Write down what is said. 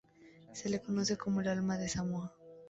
Se la conoce como "El alma de Samoa".